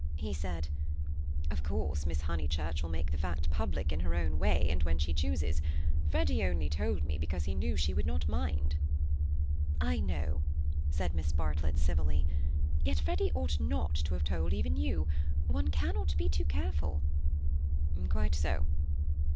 He said: "Of course, Miss Honeychurch will make the fact public in her own way, and when she chooses. Freddy only told me because he knew she would not mind." "I know," said Miss Bartlett civilly. "Yet Freddy ought not to have told even you. One cannot be too careful." "Quite so."